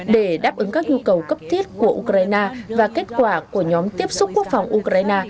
để đáp ứng các nhu cầu cấp thiết của ukraine và kết quả của nhóm tiếp xúc quốc phòng ukraine